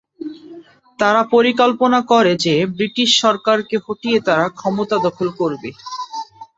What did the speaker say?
তারা পরিকল্পনা করে যে ব্রিটিশ সরকারকে হটিয়ে তারা ক্ষমতা দখল করবে।